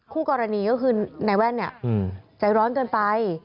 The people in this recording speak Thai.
คู่กรณีก็คือในแว่นใจร้อนเกินไป